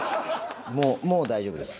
もう大丈夫です。